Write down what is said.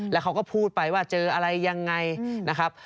แล้วเขาก็พูดไปว่าเจออะไรยังไงนะครับ